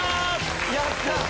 やった！